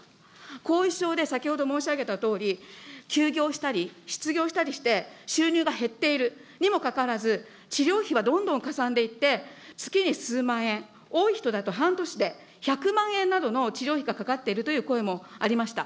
後遺症で先ほど申し上げたとおり、休業したり、失業したりして、収入が減っているにもかかわらず、治療費はどんどんかさんでいって、月に数万円、多い人だと半年で１００万円などの治療費がかかっているという声もありました。